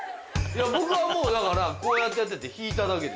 僕はもうだからこうやってやってて引いただけ。